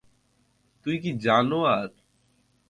তুই কি জানোয়ার?